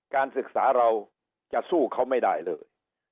การศึกษาเราจะสู้เขาไม่ได้เลย